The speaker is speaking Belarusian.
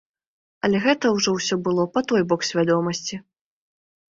Але гэта ўжо ўсё было па той бок свядомасці.